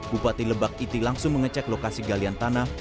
bupati lebak iti langsung mengecek lokasi galian tanah